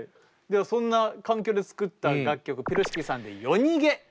ではそんな環境で作った楽曲ピロシキさんで「よにげ」。